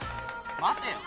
待てよ！